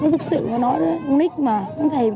thật sự bà nói con nít mà không thèm cơm